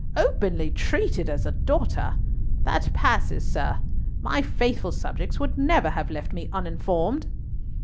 "Openly treated as a daughter! That passes, sir. My faithful subjects would never have left me uninformed!"